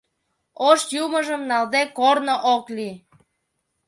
Ош Юмыжым налде корно ок лий.